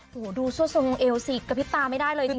โหดูสวสงค์เอวสิกกระพริบตาไม่ได้เลยจริง